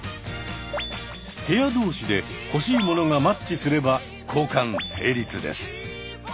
部屋同士で欲しい物がマッチすれば交換成立です。